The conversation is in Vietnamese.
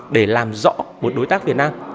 để làm rõ một đối tác việt nam